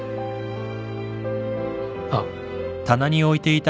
あっ。